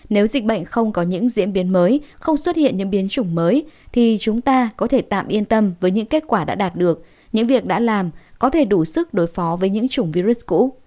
nếu dịch bệnh không có những diễn biến mới không xuất hiện những biến chủng mới thì chúng ta có thể tạm yên tâm với những kết quả đã đạt được những việc đã làm có thể đủ sức đối phó với những chủng virus cũ